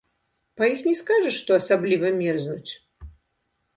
Па іх не скажаш, што асабліва мерзнуць.